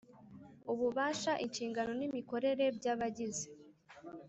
Ububasha inshingano n imikorere by abagize